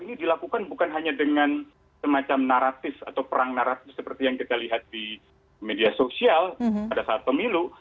ini dilakukan bukan hanya dengan semacam naratif atau perang naratif seperti yang kita lihat di media sosial pada saat pemilu